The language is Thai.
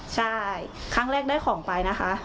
ใช่ครั้งแรกได้ของไปนะคะ